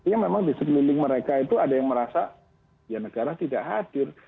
ya memang di sekeliling mereka itu ada yang merasa ya negara tidak hadir